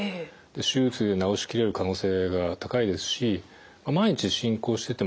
手術で治しきれる可能性が高いですし万一進行しててもですね